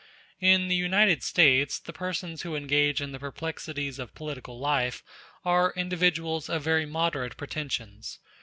In the United States the persons who engage in the perplexities of political life are individuals of very moderate pretensions.